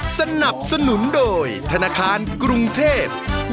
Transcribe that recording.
สนับสนุนโดยธนาคารกรุงเทพฯ